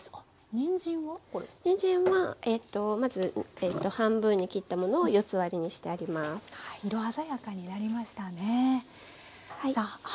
にんじんはまず半分に切ったものを四つ割りにしてあります。